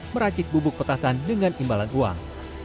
meracik bubuk petasan dengan imbalan uang